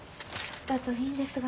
だといいんですが。